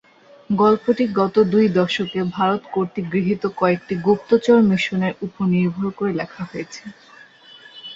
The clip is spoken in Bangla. গল্পটি গত দুই দশকে ভারত কর্তৃক গৃহীত কয়েকটি গুপ্তচর মিশনের উপর নির্ভর করে লেখা হয়েছে।